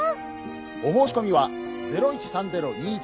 「お申し込みは０１３０−２１」。